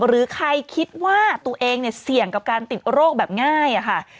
หรือใครคิดว่าตัวเองเนี่ยเสี่ยงกับการติดโรคแบบง่ายค่ะ